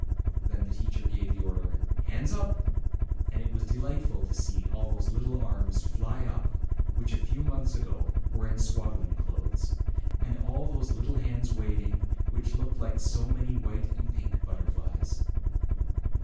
Then the teacher gave the order, "Hands up!" and it was delightful to see all those little arms fly up, which a few months ago were in swaddling clothes, and all those little hands waving, which looked like so many white and pink butterflies.